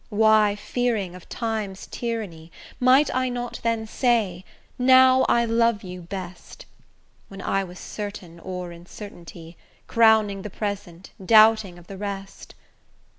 why fearing of Time's tyranny, Might I not then say, 'Now I love you best,' When I was certain o'er incertainty, Crowning the present, doubting of the rest?